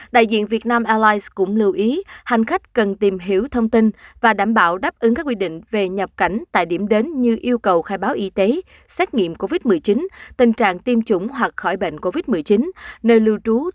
đại diện việt nam airlines cũng lưu ý hành khách cần tìm hiểu thông tin và đảm bảo đáp ứng các quy định về nhập cảnh tại điểm đến như yêu cầu khai báo y tế xét nghiệm covid một mươi chín tình trạng tiêm chủng hoặc khỏi bệnh covid một mươi chín nơi lưu trú